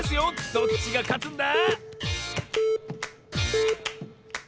どっちがかつんだ？